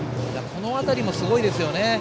この辺りもすごいですね。